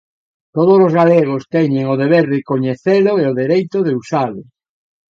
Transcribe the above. Tódolos galegos teñen o deber de coñecelo e o dereito de usalo.